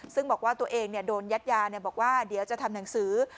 ซึ่งบอกว่าตัวเองโดนยัดยาบอกว่าเดี๋ยวจะทำหนังสือ